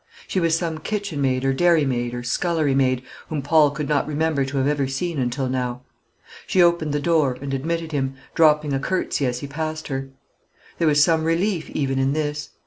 She was some kitchenmaid or dairymaid or scullerymaid, whom Paul could not remember to have ever seen until now. She opened the door, and admitted him, dropping a curtsey as he passed her. There was some relief even in this. Mr.